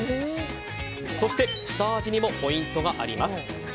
そして、下味にもポイントがあります。